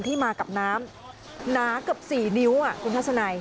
ที่มากับน้ำหนาเกือบ๔นิ้วคุณทัศนัย